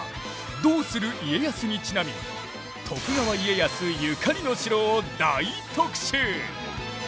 「どうする家康」にちなみ徳川家康ゆかりの城を大特集！